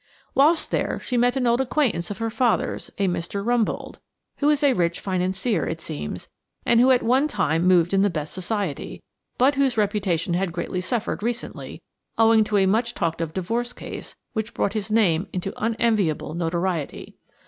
Whilst there she met an old acquaintance of her father's, a Mr. Rumboldt, who is a rich financier, it seems, and who at one time moved in the best society, but whose reputation had greatly suffered recently, owing to a much talked of divorce case which brought his name into unenviable notoriety.